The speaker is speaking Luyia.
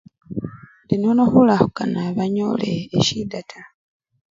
indi nono khulakhukana banyole eshida taa